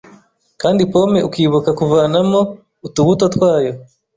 kandi pome ukibuka kuvanamo utubuto twayo